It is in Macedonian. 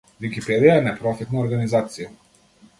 Википедија е непрофитна организација.